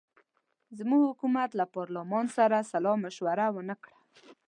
زموږ حکومت له پارلمان سره سلامشوره ونه کړه.